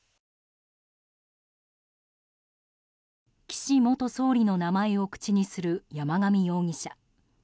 岸元総理の名前を口にする山上容疑者。